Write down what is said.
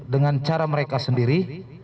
dengan cara mereka sendiri